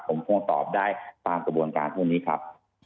ผมคงตอบได้ตามกระบวนการพวกนี้ครับ